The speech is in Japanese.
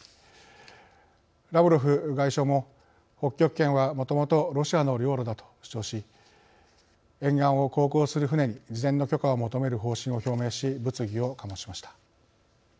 ラブロフ外相も北極圏はもともとロシアの領土だと主張し沿岸を航行する船に事前の許可を求める方針を表明し物議を醸しました。